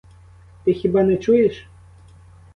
Ти хіба не чуєш?